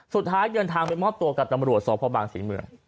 สุดท้ายเดินทางไปมอบตัวกับตำรวจสพบางศรีเมือง